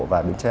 và biến tre